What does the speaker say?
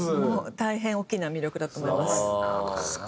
大変大きな魅力だと思います。